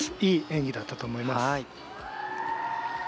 いい演技だったと思います。